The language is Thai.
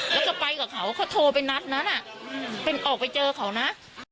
แล้วก็ไปกับเขาเขาโทรไปนัดนั้นออกไปเจอเขานะ